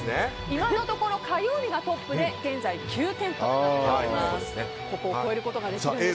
今のところ火曜日がトップで現在、９点です。